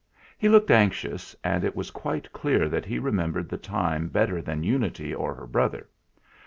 He looked anxious, and it was quite clear that he remembered the time better than Unity or her brother.